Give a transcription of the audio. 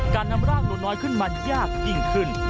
การนำร่างหนูน้อยขึ้นมายากยิ่งขึ้น